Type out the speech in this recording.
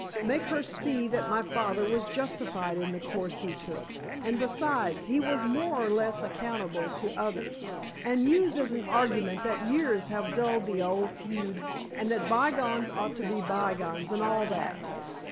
Make her see that my father was justified in the course he took—and besides, he was more or less accountable to others—and use as an argument that years have dulled the old feud and that bygones ought to be bygones and all that.